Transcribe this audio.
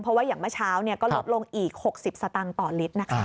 เพราะว่าอย่างเมื่อเช้าก็ลดลงอีก๖๐สตางค์ต่อลิตรนะคะ